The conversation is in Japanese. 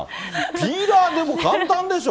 ピーラーで、簡単でしょ。